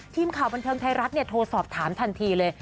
ทีมข่าวบันเทิงไทยรัฐโทรสอบถามทันทีเลย